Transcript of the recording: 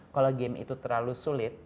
kalau game itu terlalu sulit